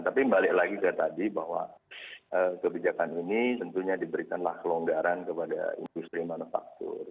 tapi balik lagi ke tadi bahwa kebijakan ini tentunya diberikanlah kelonggaran kepada industri manufaktur